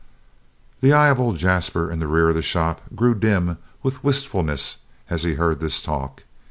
The eye of old Jasper in the rear of the shop grew dim with wistfulness as he heard this talk.